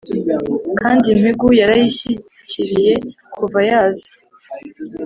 kandi impigu yarayishyikiriye kuva yaza